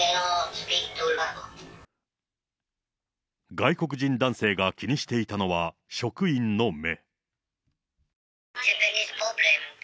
外国人男性が気にしていたのは職員の目。